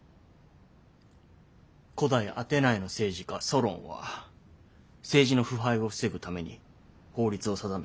古代アテナイの政治家ソロンは政治の腐敗を防ぐために法律を定めた。